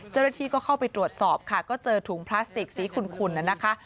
เจ้าหน้าที่ก็เข้าไปตรวจสอบค่ะก็เจอถุงพลาสติกสีขุนน่ะนะคะ